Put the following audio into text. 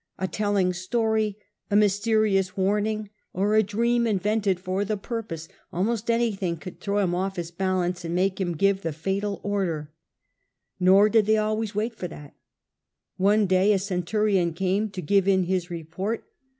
A telling story, a mysterious warning, or a dream invented for the purpose, almost anything could throw him off his balance and make him give the fatal order. Nor did they always wait for that One day a centurion came to give in his report.